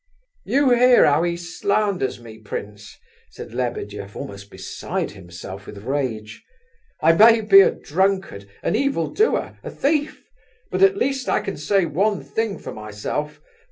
"You hear how he slanders me, prince," said Lebedeff, almost beside himself with rage. "I may be a drunkard, an evil doer, a thief, but at least I can say one thing for myself.